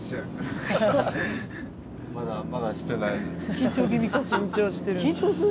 緊張してる。